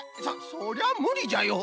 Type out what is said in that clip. そそりゃむりじゃよ。